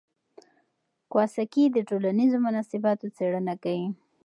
کواساکي د ټولنیزو مناسباتو څېړنه کوي.